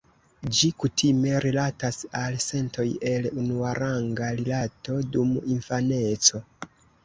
Ĝi kutime rilatas al sentoj el unuaranga rilato dum infaneco.